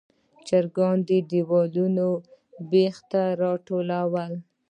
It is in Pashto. چرګان د دیواله بیخ ته راټول ول.